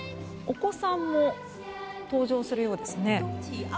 お子さんも登場するようですね。